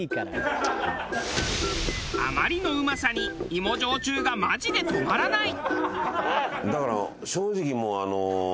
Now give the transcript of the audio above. あまりのうまさに芋焼酎がマジで止まらない！